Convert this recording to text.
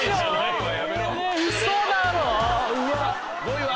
５位は？